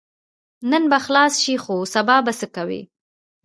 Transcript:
نن به خلاص شې خو سبا به څه کوې؟